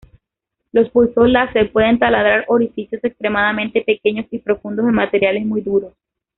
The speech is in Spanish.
Los pulsos láser pueden taladrar orificios extremadamente pequeños y profundos en materiales muy duros.